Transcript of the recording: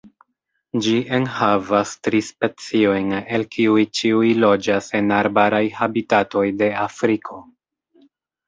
Ĝi enhavas tri speciojn, el kiuj ĉiuj loĝas en arbaraj habitatoj de Afriko.